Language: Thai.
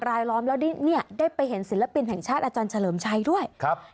รายล้อมแล้วได้ไปเห็นศิลปินแห่งชาติอาจารย์เฉลิมชัยด้วย